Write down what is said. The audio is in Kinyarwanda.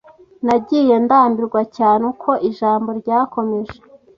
Nagiye ndambirwa cyane uko ijambo ryakomeje.